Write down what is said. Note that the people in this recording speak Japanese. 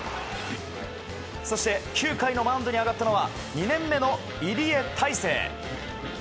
そして９回のマウンドに上がったのは２年目の入江大生。